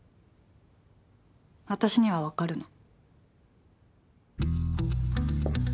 私には分かるの。